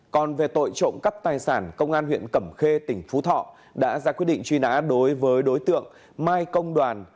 còn về tội trộm cắp tài sản công an huyện cẩm khê tỉnh phú thọ đã ra quyết định truy nã đối với đối tượng mai công đoàn